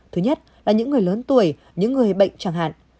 thứ nhất là những người lớn tuổi những người bệnh chẳng hạn